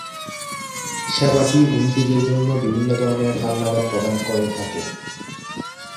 সেবাটি উইন্ডোজের জন্য বিভিন্ন ধরনের হালনাগাদ প্রদান করে থাকে।